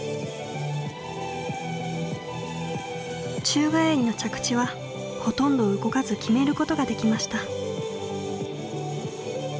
宙返りの着地はほとんど動かず決めることができました。